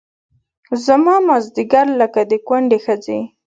زما مازدیګر لکه د کونډې ښځې